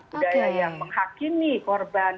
budaya yang menghakimi korban